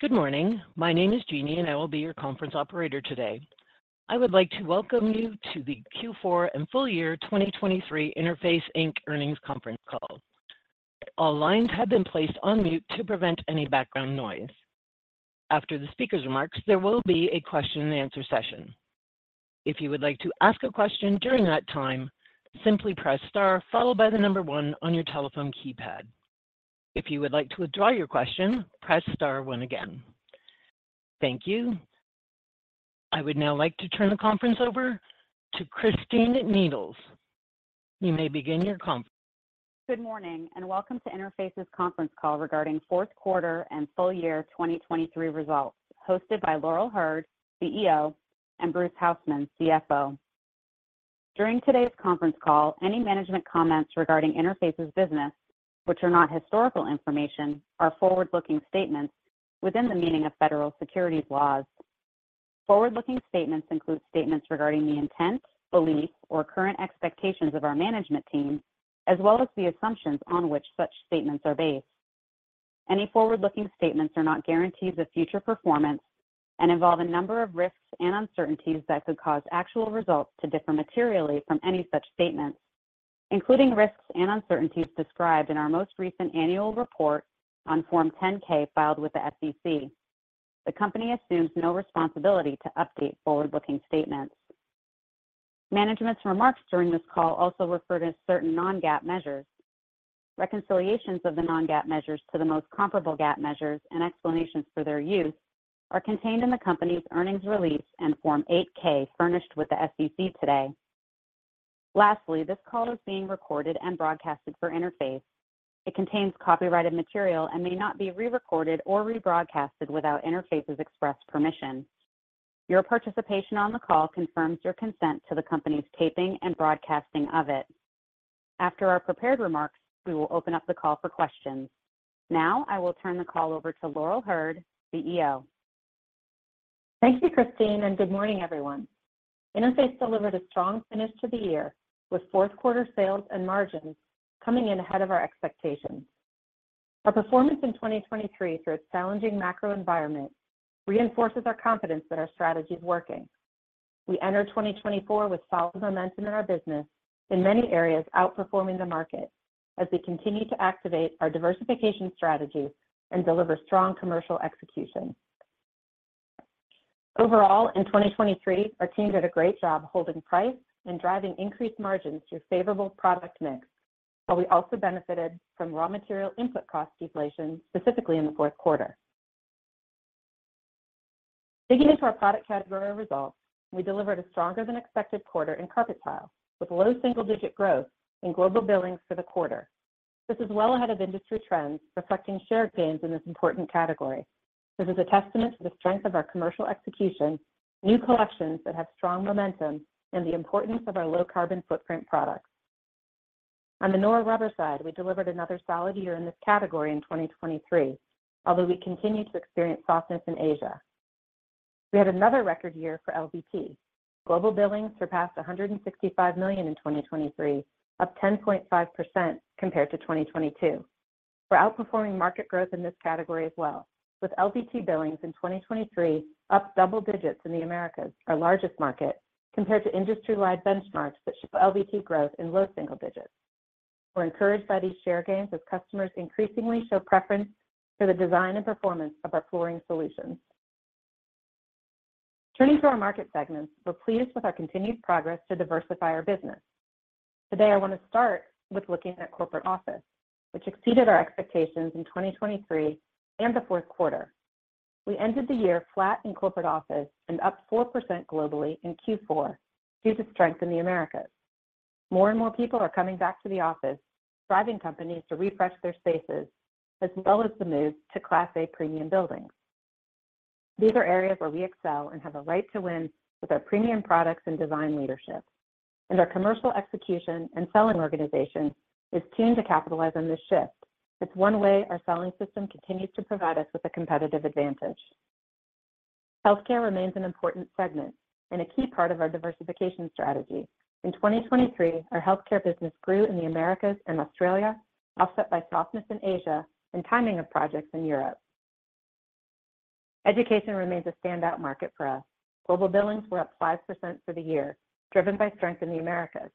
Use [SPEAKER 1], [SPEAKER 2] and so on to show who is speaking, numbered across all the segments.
[SPEAKER 1] Good morning. My name is Jeannie, and I will be your conference operator today. I would like to welcome you to the Q4 and full year 2023 Interface Inc earnings conference call. All lines have been placed on mute to prevent any background noise. After the speaker's remarks, there will be a question and answer session. If you would like to ask a question during that time, simply press Star, followed by the number 1 on your telephone keypad. If you would like to withdraw your question, press Star 1 again. Thank you. I would now like to turn the conference over to Christine Needles. You may begin your conf-
[SPEAKER 2] Good morning, and welcome to Interface's conference call regarding fourth quarter and full year 2023 results, hosted by Laurel Hurd, CEO, and Bruce Hausmann, CFO. During today's conference call, any management comments regarding Interface's business, which are not historical information, are forward-looking statements within the meaning of federal securities laws. Forward-looking statements include statements regarding the intents, beliefs, or current expectations of our management team, as well as the assumptions on which such statements are based. Any forward-looking statements are not guarantees of future performance and involve a number of risks and uncertainties that could cause actual results to differ materially from any such statements, including risks and uncertainties described in our most recent annual report on Form 10-K, filed with the SEC. The company assumes no responsibility to update forward-looking statements. Management's remarks during this call also refer to certain non-GAAP measures. Reconciliations of the non-GAAP measures to the most comparable GAAP measures and explanations for their use are contained in the company's earnings release and Form 8-K furnished with the SEC today. Lastly, this call is being recorded and broadcasted for Interface. It contains copyrighted material and may not be re-recorded or rebroadcasted without Interface's express permission. Your participation on the call confirms your consent to the company's taping and broadcasting of it. After our prepared remarks, we will open up the call for questions. Now, I will turn the call over to Laurel Hurd, CEO.
[SPEAKER 3] Thank you, Christine, and good morning, everyone. Interface delivered a strong finish to the year, with fourth quarter sales and margins coming in ahead of our expectations. Our performance in 2023, through a challenging macro environment, reinforces our confidence that our strategy is working. We enter 2024 with solid momentum in our business, in many areas outperforming the market as we continue to activate our diversification strategy and deliver strong commercial execution. Overall, in 2023, our team did a great job holding price and driving increased margins through favorable product mix, while we also benefited from raw material input cost deflation, specifically in the fourth quarter. Digging into our product category results, we delivered a stronger than expected quarter in carpet tile, with low single-digit growth in global billings for the quarter. This is well ahead of industry trends, reflecting share gains in this important category. This is a testament to the strength of our commercial execution, new collections that have strong momentum, and the importance of our low carbon footprint products. On the nora rubber side, we delivered another solid year in this category in 2023, although we continue to experience softness in Asia. We had another record year for LVT. Global billings surpassed $165 million in 2023, up 10.5% compared to 2022. We're outperforming market growth in this category as well, with LVT billings in 2023, up double digits in the Americas, our largest market, compared to industry-wide benchmarks that show LVT growth in low single digits. We're encouraged by these share gains as customers increasingly show preference for the design and performance of our flooring solutions. Turning to our market segments, we're pleased with our continued progress to diversify our business. Today, I want to start with looking at corporate office, which exceeded our expectations in 2023 and the fourth quarter. We ended the year flat in corporate office and up 4% globally in Q4 due to strength in the Americas. More and more people are coming back to the office, driving companies to refresh their spaces, as well as the move to Class A premium buildings. These are areas where we excel and have a right to win with our premium products and design leadership, and our commercial execution and selling organization is tuned to capitalize on this shift. It's one way our selling system continues to provide us with a competitive advantage. Healthcare remains an important segment and a key part of our diversification strategy. In 2023, our healthcare business grew in the Americas and Australia, offset by softness in Asia and timing of projects in Europe. Education remains a standout market for us. Global billings were up 5% for the year, driven by strength in the Americas.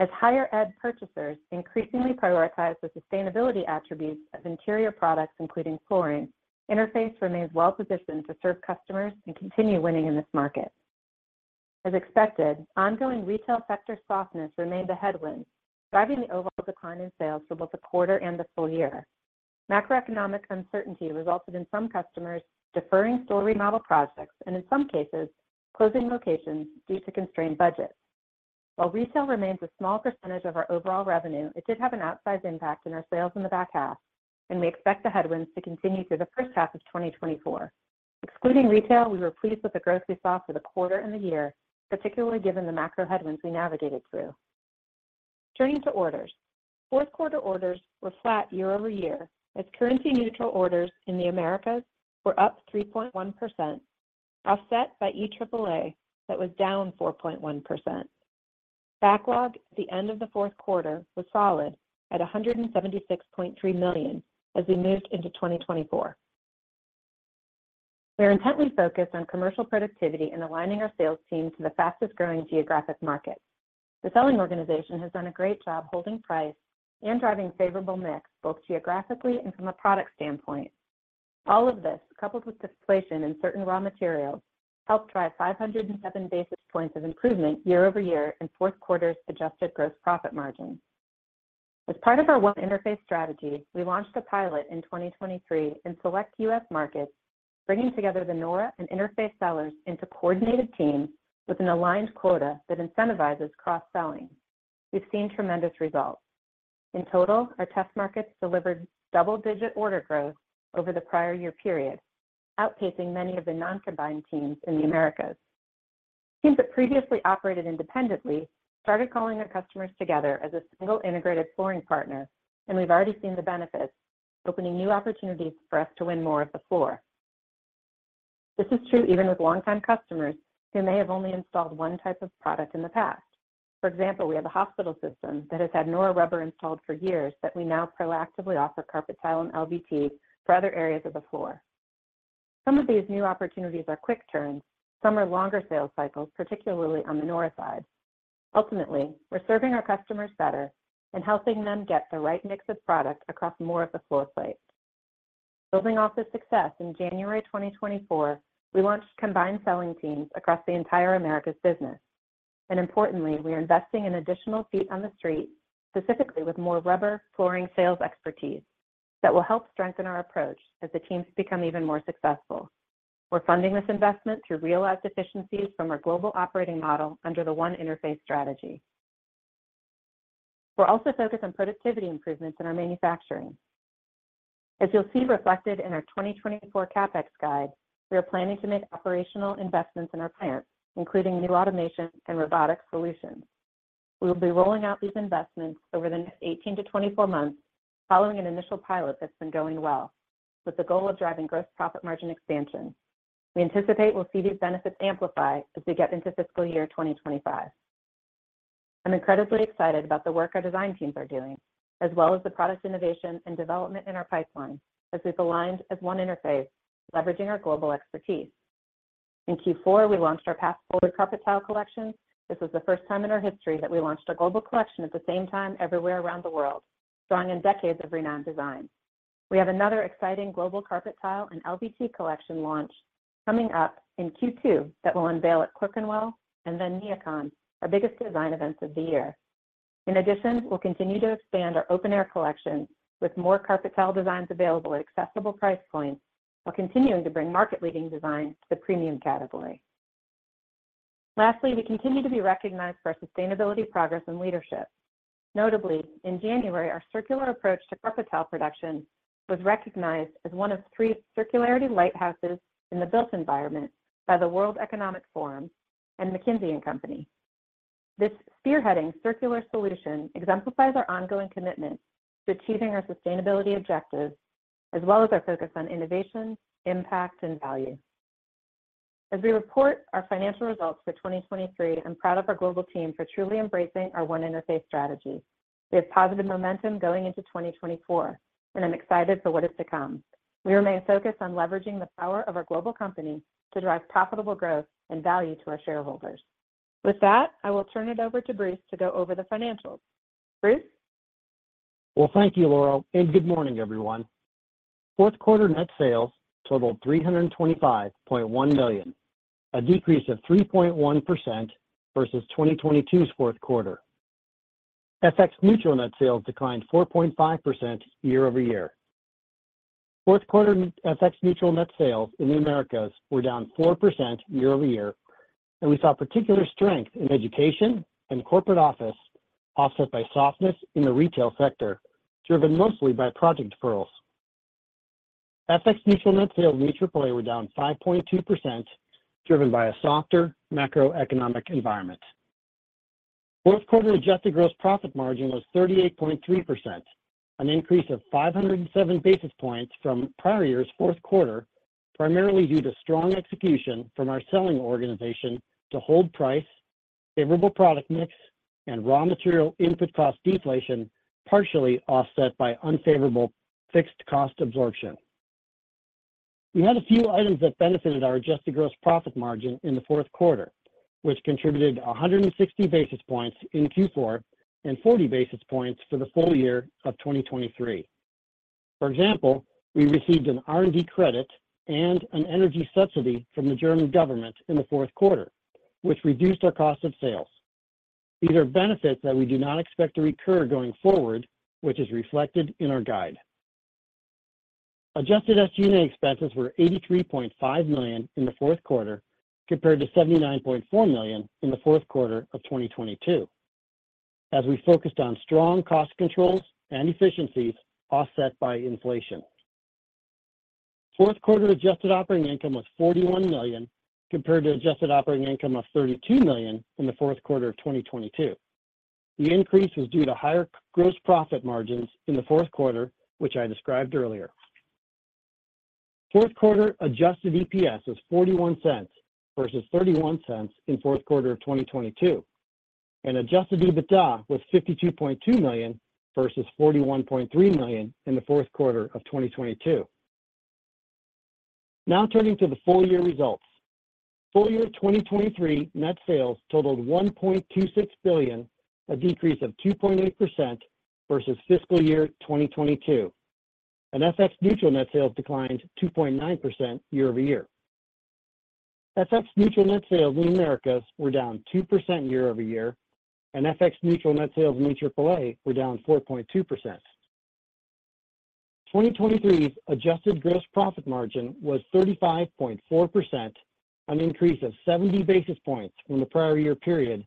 [SPEAKER 3] As higher ed purchasers increasingly prioritize the sustainability attributes of interior products, including flooring, Interface remains well positioned to serve customers and continue winning in this market. As expected, ongoing retail sector softness remained a headwind, driving the overall decline in sales for both the quarter and the full year. Macroeconomic uncertainty resulted in some customers deferring store remodel projects and in some cases, closing locations due to constrained budgets. While retail remains a small percentage of our overall revenue, it did have an outsized impact in our sales in the back half, and we expect the headwinds to continue through the first half of 2024. Excluding retail, we were pleased with the growth we saw for the quarter and the year, particularly given the macro headwinds we navigated through. Turning to orders. Fourth quarter orders were flat year-over-year, as currency neutral orders in the Americas were up 3.1%, offset by EAAA, that was down 4.1%. Backlog at the end of the fourth quarter was solid at $176.3 million as we moved into 2024. We are intently focused on commercial productivity and aligning our sales team to the fastest-growing geographic market. The selling organization has done a great job holding price and driving favorable mix, both geographically and from a product standpoint. All of this, coupled with deflation in certain raw materials, helped drive 507 basis points of improvement year-over-year in fourth quarter's Adjusted Gross Profit Margin. As part of our One Interface strategy, we launched a pilot in 2023 in select U.S. markets, bringing together the nora and Interface sellers into coordinated teams with an aligned quota that incentivizes cross-selling. We've seen tremendous results. In total, our test markets delivered double-digit order growth over the prior year period, outpacing many of the non-combined teams in the Americas. Teams that previously operated independently started calling our customers together as a single integrated flooring partner, and we've already seen the benefits, opening new opportunities for us to win more of the floor. This is true even with longtime customers who may have only installed one type of product in the past. For example, we have a hospital system that has had nora rubber installed for years that we now proactively offer carpet tile and LVT for other areas of the floor. Some of these new opportunities are quick turns, some are longer sales cycles, particularly on the nora side. Ultimately, we're serving our customers better and helping them get the right mix of product across more of the floor plate. Building off this success, in January 2024, we launched combined selling teams across the entire Americas business. Importantly, we are investing in additional feet on the street, specifically with more rubber flooring sales expertise, that will help strengthen our approach as the teams become even more successful. We're funding this investment through realized efficiencies from our global operating model under the One Interface strategy. We're also focused on productivity improvements in our manufacturing. As you'll see reflected in our 2024 CapEx guide, we are planning to make operational investments in our plants, including new automation and robotic solutions. We will be rolling out these investments over the next 18-24 months, following an initial pilot that's been going well, with the goal of driving gross profit margin expansion. We anticipate we'll see these benefits amplify as we get into fiscal year 2025. I'm incredibly excited about the work our design teams are doing, as well as the product innovation and development in our pipeline, as we've aligned as One Interface, leveraging our global expertise. In Q4, we launched our Past Forward carpet tile collection. This was the first time in our history that we launched a global collection at the same time everywhere around the world, drawing in decades of renowned design. We have another exciting global carpet tile and LVT collection launch coming up in Q2 that we'll unveil at Clerkenwell and then NeoCon, our biggest design events of the year. In addition, we'll continue to expand our Open Air collection with more carpet tile designs available at accessible price points, while continuing to bring market-leading design to the premium category. Lastly, we continue to be recognized for our sustainability, progress, and leadership. Notably, in January, our circular approach to carpet tile production was recognized as one of three Circularity Lighthouses in the built environment by the World Economic Forum and McKinsey & Company. This spearheading circular solution exemplifies our ongoing commitment to achieving our sustainability objectives, as well as our focus on innovation, impact, and value. As we report our financial results for 2023, I'm proud of our global team for truly embracing our One Interface strategy. We have positive momentum going into 2024, and I'm excited for what is to come. We remain focused on leveraging the power of our global company to drive profitable growth and value to our shareholders. With that, I will turn it over to Bruce to go over the financials. Bruce?
[SPEAKER 4] Well, thank you, Laurel, and good morning, everyone. Fourth quarter net sales totaled $325.1 million, a decrease of 3.1% versus 2022's fourth quarter. FX neutral net sales declined 4.5% year-over-year. Fourth quarter FX neutral net sales in the Americas were down 4% year-over-year, and we saw particular strength in education and corporate office, offset by softness in the retail sector, driven mostly by project deferrals. FX neutral net sales in EMEA were down 5.2%, driven by a softer macroeconomic environment. Fourth quarter Adjusted Gross Profit Margin was 38.3%, an increase of 507 basis points from prior year's fourth quarter, primarily due to strong execution from our selling organization to hold price, favorable product mix, and raw material input cost deflation, partially offset by unfavorable fixed cost absorption. We had a few items that benefited our Adjusted Gross Profit Margin in the fourth quarter, which contributed 160 basis points in Q4 and 40 basis points for the full year of 2023. For example, we received an R&D credit and an energy subsidy from the German government in the fourth quarter, which reduced our cost of sales. These are benefits that we do not expect to recur going forward, which is reflected in our guide. Adjusted SG&A expenses were $83.5 million in the fourth quarter, compared to $79.4 million in the fourth quarter of 2022, as we focused on strong cost controls and efficiencies offset by inflation. Fourth quarter adjusted operating income was $41 million, compared to adjusted operating income of $32 million in the fourth quarter of 2022. The increase was due to higher gross profit margins in the fourth quarter, which I described earlier.... Fourth quarter adjusted EPS was $0.41 versus $0.31 in fourth quarter of 2022, and adjusted EBITDA was $52.2 million versus $41.3 million in the fourth quarter of 2022. Now turning to the full year results. Full year 2023 net sales totaled $1.26 billion, a decrease of 2.8% versus fiscal year 2022, and FX neutral net sales declined 2.9% year-over-year. FX neutral net sales in Americas were down 2% year-over-year, and FX neutral net sales in AAA were down 4.2%. 2023's adjusted gross profit margin was 35.4%, an increase of 70 basis points from the prior year period,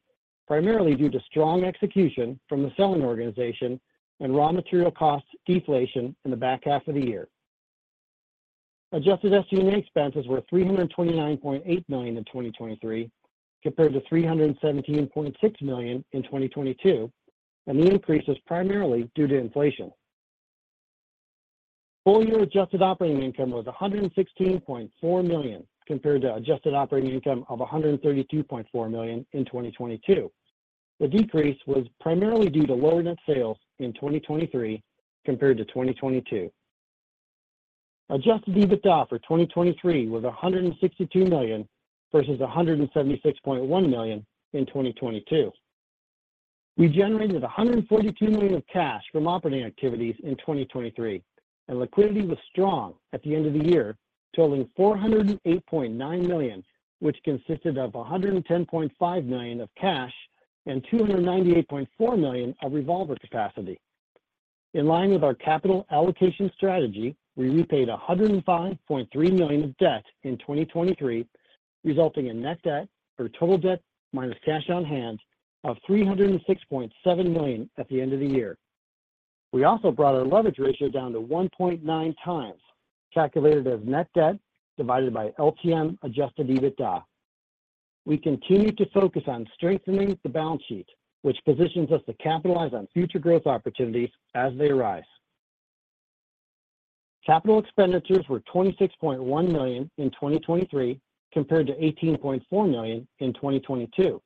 [SPEAKER 4] primarily due to strong execution from the selling organization and raw material costs deflation in the back half of the year. Adjusted SG&A expenses were $329.8 million in 2023, compared to $317.6 million in 2022, and the increase is primarily due to inflation. Full-year adjusted operating income was $116.4 million, compared to adjusted operating income of $132.4 million in 2022. The decrease was primarily due to lower net sales in 2023 compared to 2022. Adjusted EBITDA for 2023 was $162 million versus $176.1 million in 2022. We generated $142 million of cash from operating activities in 2023, and liquidity was strong at the end of the year, totaling $408.9 million, which consisted of $110.5 million of cash and $298.4 million of revolver capacity. In line with our capital allocation strategy, we repaid $105.3 million of debt in 2023, resulting in net debt or total debt minus cash on hand of $306.7 million at the end of the year. We also brought our leverage ratio down to 1.9 times, calculated as net debt divided by LTM Adjusted EBITDA. We continue to focus on strengthening the balance sheet, which positions us to capitalize on future growth opportunities as they arise. Capital expenditures were $26.1 million in 2023, compared to $18.4 million in 2022.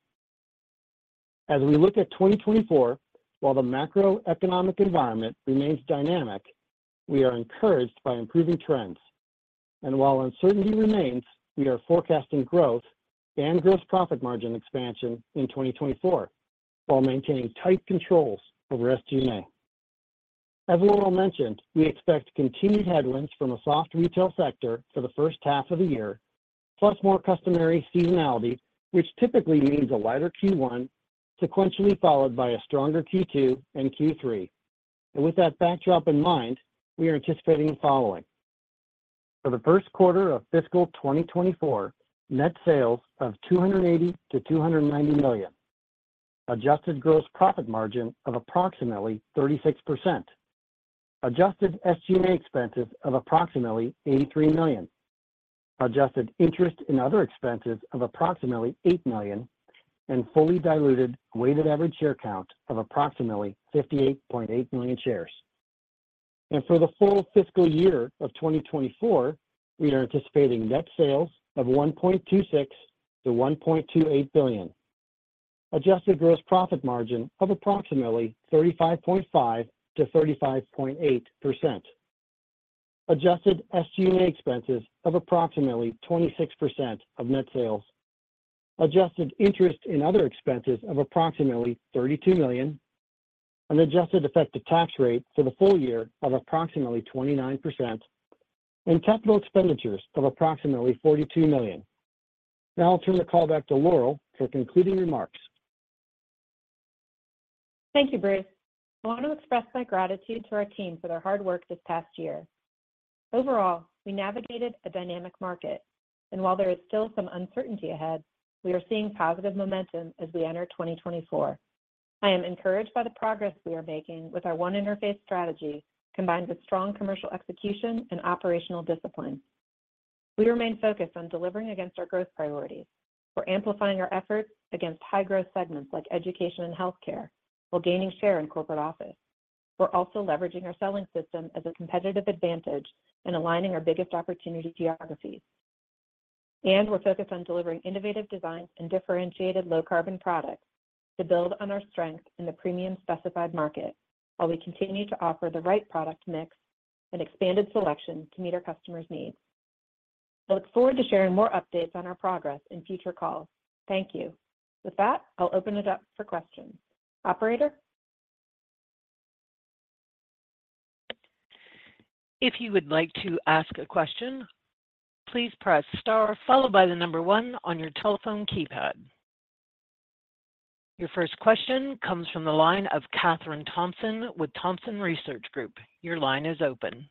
[SPEAKER 4] As we look at 2024, while the macroeconomic environment remains dynamic, we are encouraged by improving trends. And while uncertainty remains, we are forecasting growth and gross profit margin expansion in 2024, while maintaining tight controls over SG&A. As Laurel mentioned, we expect continued headwinds from a soft retail sector for the first half of the year, plus more customary seasonality, which typically means a lighter Q1, sequentially followed by a stronger Q2 and Q3. With that backdrop in mind, we are anticipating the following: For the first quarter of fiscal 2024, net sales of $280 million-$290 million. Adjusted gross profit margin of approximately 36%. Adjusted SG&A expenses of approximately $83 million. Adjusted interest and other expenses of approximately $8 million, and fully diluted weighted average share count of approximately 58.8 million shares. For the full fiscal year of 2024, we are anticipating net sales of $1.26 billion-$1.28 billion. Adjusted gross profit margin of approximately 35.5%-35.8%. Adjusted SG&A expenses of approximately 26% of net sales. Adjusted interest and other expenses of approximately $32 million. An adjusted effective tax rate for the full year of approximately 29%, and capital expenditures of approximately $42 million. Now I'll turn the call back to Laurel for concluding remarks.
[SPEAKER 3] Thank you, Bruce. I want to express my gratitude to our team for their hard work this past year. Overall, we navigated a dynamic market, and while there is still some uncertainty ahead, we are seeing positive momentum as we enter 2024. I am encouraged by the progress we are making with our One Interface strategy, combined with strong commercial execution and operational discipline. We remain focused on delivering against our growth priorities. We're amplifying our efforts against high-growth segments like education and healthcare, while gaining share in corporate office. We're also leveraging our selling system as a competitive advantage and aligning our biggest opportunity geographies. And we're focused on delivering innovative designs and differentiated low-carbon products to build on our strength in the premium specified market, while we continue to offer the right product mix and expanded selection to meet our customers' needs. I look forward to sharing more updates on our progress in future calls. Thank you. With that, I'll open it up for questions. Operator?
[SPEAKER 1] If you would like to ask a question, please press Star, followed by the number one on your telephone keypad. Your first question comes from the line of Kathryn Thompson with Thompson Research Group. Your line is open.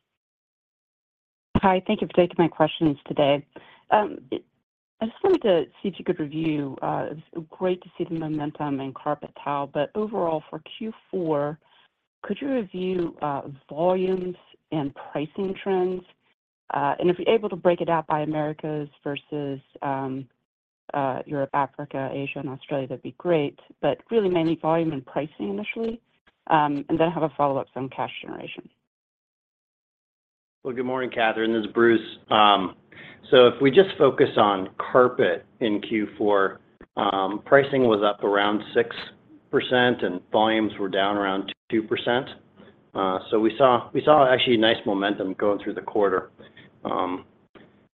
[SPEAKER 5] Hi, thank you for taking my questions today. I just wanted to see if you could review. It's great to see the momentum in carpet tile, but overall for Q4, could you review volumes and pricing trends? And if you're able to break it out by Americas versus Europe, Africa, Asia, and Australia, that'd be great. But really mainly volume and pricing initially. And then I have a follow-up on cash generation.
[SPEAKER 4] Well, good morning, Kathryn. This is Bruce. So if we just focus on carpet in Q4, pricing was up around 6%, and volumes were down around 2%. So we saw actually nice momentum going through the quarter.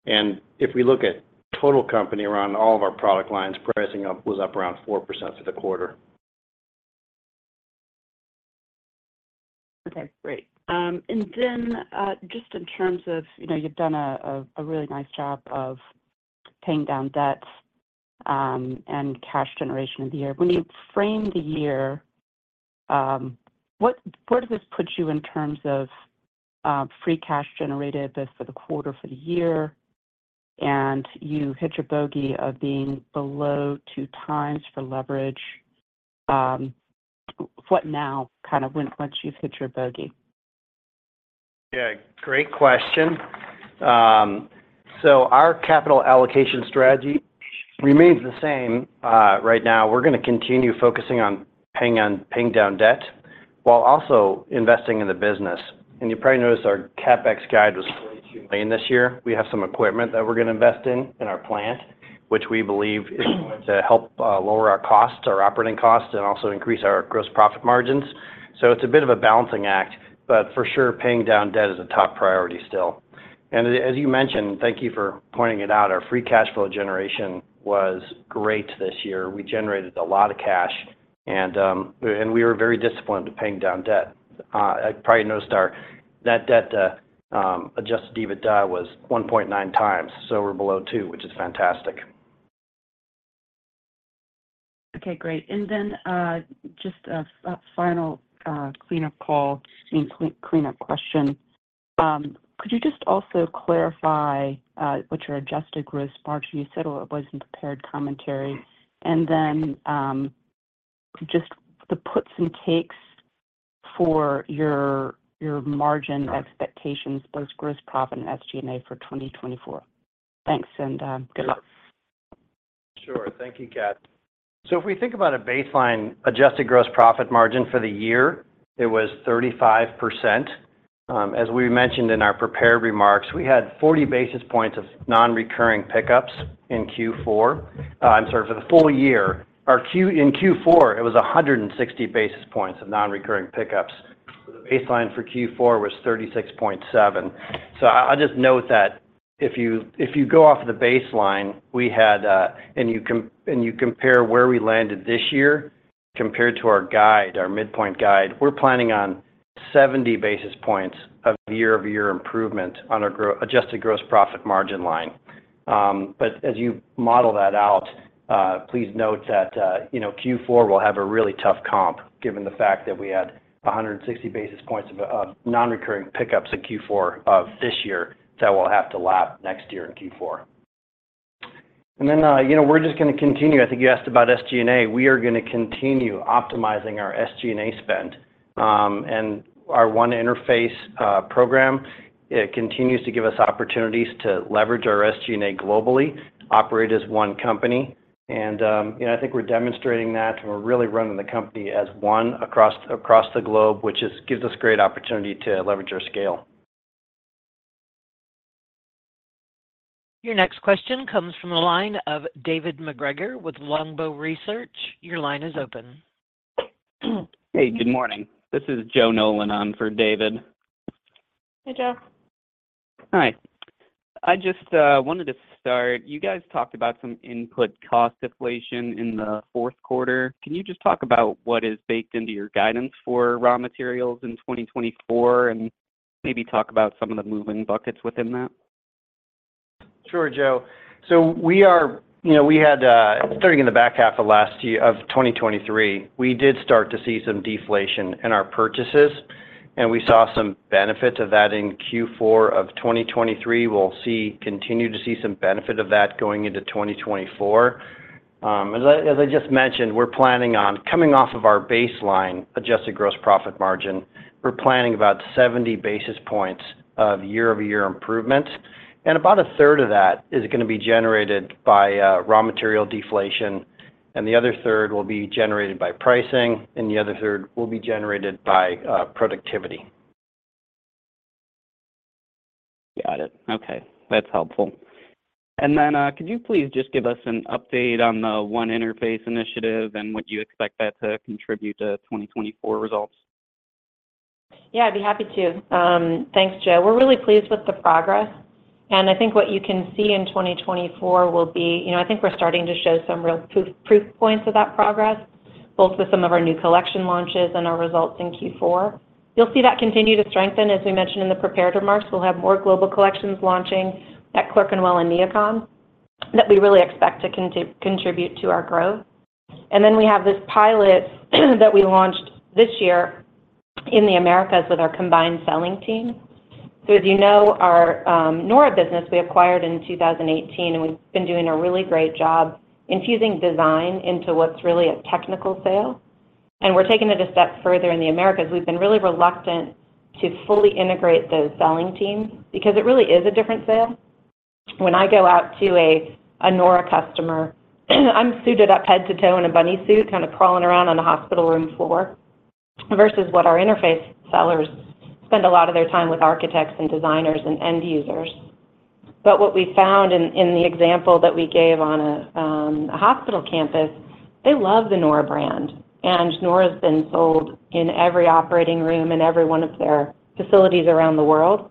[SPEAKER 4] And if we look at total company around all of our product lines, pricing up was up around 4% for the quarter.
[SPEAKER 5] Okay, great. And then, just in terms of, you know, you've done a really nice job of paying down debt and cash generation of the year. When you frame the year, where does this put you in terms of free cash generated, both for the quarter, for the year, and you hit your bogey of being below 2x for leverage? What now, kind of, once you've hit your bogey?
[SPEAKER 4] Yeah, great question. So our capital allocation strategy remains the same. Right now, we're gonna continue focusing on paying down debt while also investing in the business. And you probably noticed our CapEx guide was $42 million this year. We have some equipment that we're gonna invest in, in our plant, which we believe is going to help lower our costs, our operating costs, and also increase our gross profit margins. So it's a bit of a balancing act, but for sure, paying down debt is a top priority still. And as you mentioned, thank you for pointing it out, our free cash flow generation was great this year. We generated a lot of cash, and we were very disciplined to paying down debt. I probably noticed our net debt to adjusted EBITDA was 1.9 times, so we're below 2, which is fantastic.
[SPEAKER 5] Okay, great. And then, just a final cleanup call and cleanup question. Could you just also clarify what your adjusted gross margin, you said, well, it was in prepared commentary, and then, just the puts and takes for your margin expectations, both gross profit and SG&A for 2024? Thanks, and good luck.
[SPEAKER 4] Sure. Thank you, Kath. So if we think about a baseline Adjusted Gross Profit Margin for the year, it was 35%. As we mentioned in our prepared remarks, we had 40 basis points of non-recurring pickups in Q4. I'm sorry, for the full year. In Q4, it was 160 basis points of non-recurring pickups. The baseline for Q4 was 36.7. So I'll just note that if you, if you go off the baseline and you compare where we landed this year compared to our guide, our midpoint guide, we're planning on 70 basis points of year-over-year improvement on our Adjusted Gross Profit Margin line. But as you model that out, please note that, you know, Q4 will have a really tough comp, given the fact that we had 160 basis points of non-recurring pickups in Q4 of this year that we'll have to lap next year in Q4. And then, you know, we're just gonna continue. I think you asked about SG&A. We are gonna continue optimizing our SG&A spend. And our One Interface program, it continues to give us opportunities to leverage our SG&A globally, operate as one company, and, you know, I think we're demonstrating that, and we're really running the company as one across the globe, which gives us great opportunity to leverage our scale.
[SPEAKER 1] Your next question comes from the line of David MacGregor with Longbow Research. Your line is open.
[SPEAKER 6] Hey, good morning. This is Joe Nolan on for David.
[SPEAKER 3] Hey, Joe.
[SPEAKER 6] Hi. I just wanted to start. You guys talked about some input cost deflation in the fourth quarter. Can you just talk about what is baked into your guidance for raw materials in 2024, and maybe talk about some of the moving buckets within that?
[SPEAKER 4] Sure, Joe. So we are. You know, we had starting in the back half of last year of 2023, we did start to see some deflation in our purchases, and we saw some benefits of that in Q4 of 2023. We'll continue to see some benefit of that going into 2024. As I just mentioned, we're planning on coming off of our baseline Adjusted Gross Profit Margin. We're planning about 70 basis points of year-over-year improvement, and about a third of that is gonna be generated by raw material deflation, and the other third will be generated by pricing, and the other third will be generated by productivity.
[SPEAKER 6] Got it. Okay, that's helpful. And then, could you please just give us an update on the One Interface initiative, and would you expect that to contribute to 2024 results?
[SPEAKER 3] Yeah, I'd be happy to. Thanks, Joe. We're really pleased with the progress, and I think what you can see in 2024 will be, you know, I think we're starting to show some real proof points of that progress, both with some of our new collection launches and our results in Q4. You'll see that continue to strengthen. As we mentioned in the prepared remarks, we'll have more global collections launching at Clerkenwell and NeoCon that we really expect to contribute to our growth. And then we have this pilot that we launched this year in the Americas with our combined selling team. So as you know, our nora business we acquired in 2018, and we've been doing a really great job infusing design into what's really a technical sale, and we're taking it a step further in the Americas. We've been really reluctant to fully integrate those selling teams, because it really is a different sale. When I go out to a nora customer, I'm suited up head to toe in a bunny suit, kind of crawling around on a hospital room floor, versus what our Interface sellers spend a lot of their time with architects and designers and end users. But what we found in the example that we gave on a hospital campus, they love the nora brand. And nora's been sold in every operating room, in every one of their facilities around the world,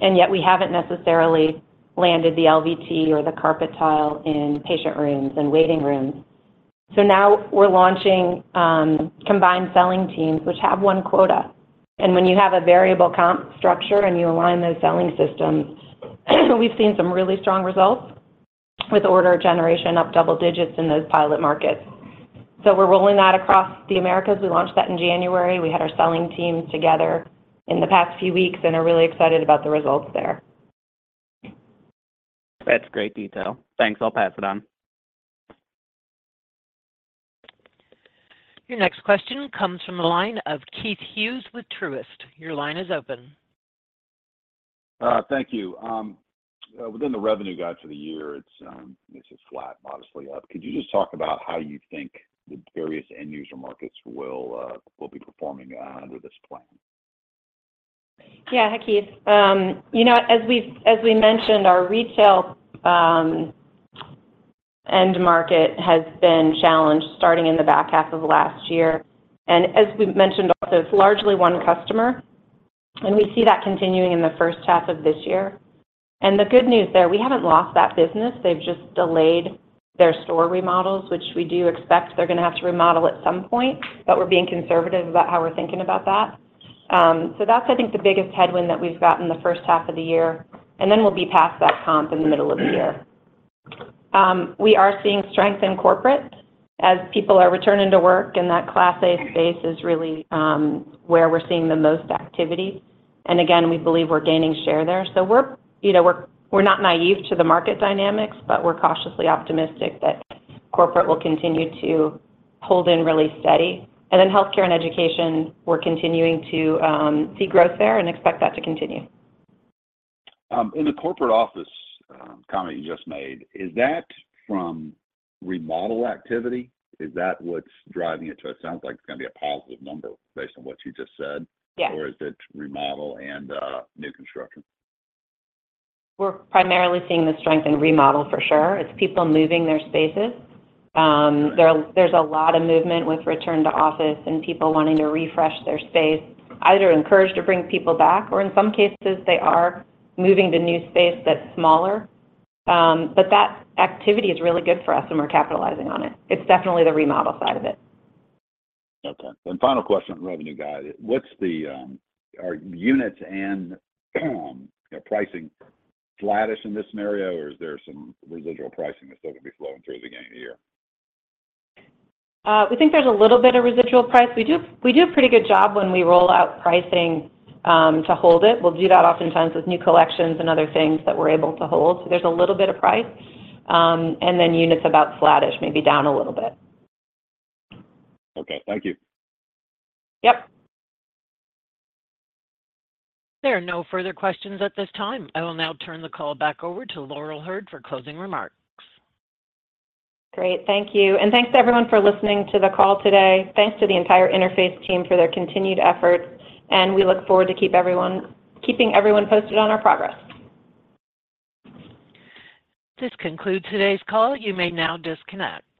[SPEAKER 3] and yet we haven't necessarily landed the LVT or the carpet tile in patient rooms and waiting rooms. So now we're launching combined selling teams, which have one quota. When you have a variable comp structure and you align those selling systems, we've seen some really strong results, with order generation up double digits in those pilot markets. We're rolling that across the Americas. We launched that in January. We had our selling teams together in the past few weeks, and are really excited about the results there.
[SPEAKER 6] That's great detail. Thanks, I'll pass it on.
[SPEAKER 1] Your next question comes from the line of Keith Hughes with Truist. Your line is open.
[SPEAKER 7] Thank you. Within the revenue guide for the year, it's just flat, modestly up. Could you just talk about how you think the various end-user markets will be performing under this plan?
[SPEAKER 3] Yeah. Hi, Keith. You know what? As we mentioned, our retail end market has been challenged starting in the back half of last year. And as we've mentioned, also, it's largely one customer, and we see that continuing in the first half of this year. And the good news there, we haven't lost that business. They've just delayed their store remodels, which we do expect they're gonna have to remodel at some point, but we're being conservative about how we're thinking about that. So that's, I think, the biggest headwind that we've got in the first half of the year, and then we'll be past that comp in the middle of the year. We are seeing strength in corporate as people are returning to work, and that Class A space is really where we're seeing the most activity. And again, we believe we're gaining share there. So we're, you know, we're not naive to the market dynamics, but we're cautiously optimistic that corporate will continue to hold in really steady. And then healthcare and education, we're continuing to see growth there and expect that to continue.
[SPEAKER 7] In the corporate office, comment you just made, is that from remodel activity? Is that what's driving it? So it sounds like it's gonna be a positive number based on what you just said.
[SPEAKER 3] Yes.
[SPEAKER 7] Or is it remodel and new construction?
[SPEAKER 3] We're primarily seeing the strength in remodel for sure. It's people moving their spaces. There's a lot of movement with return to office and people wanting to refresh their space, either encouraged to bring people back, or in some cases they are moving to new space that's smaller. But that activity is really good for us, and we're capitalizing on it. It's definitely the remodel side of it.
[SPEAKER 7] Okay, and final question on revenue guide. What's the... Are units and pricing flattish in this scenario, or is there some residual pricing that's still going to be flowing through the beginning of the year?
[SPEAKER 3] We think there's a little bit of residual price. We do, we do a pretty good job when we roll out pricing, to hold it. We'll do that oftentimes with new collections and other things that we're able to hold. So there's a little bit of price, and then units about flattish, maybe down a little bit.
[SPEAKER 7] Okay, thank you.
[SPEAKER 3] Yep.
[SPEAKER 1] There are no further questions at this time. I will now turn the call back over to Laurel Hurd for closing remarks.
[SPEAKER 3] Great, thank you. And thanks to everyone for listening to the call today. Thanks to the entire Interface team for their continued efforts, and we look forward to keeping everyone posted on our progress.
[SPEAKER 1] This concludes today's call. You may now disconnect.